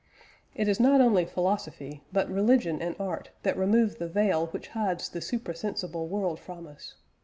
It is not only philosophy, but religion and art that remove the veil which hides the supra sensible world from us.